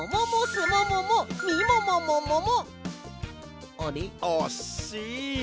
もももすもももみももももも！